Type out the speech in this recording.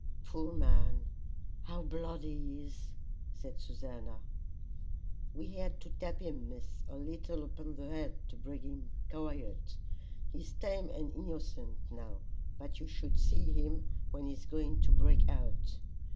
"Poor man, how bloody he is!" said Susannah. "We had to tap him, Miss, a leetle upon the head, to bring him quiet. He's tame and innocent now, but you should see him when he's going to break out.